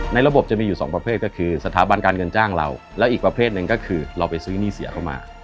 ระบบจะมีอยู่สองประเภทก็คือสถาบันการเงินจ้างเราแล้วอีกประเภทหนึ่งก็คือเราไปซื้อหนี้เสียเข้ามา